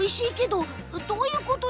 どういうこと？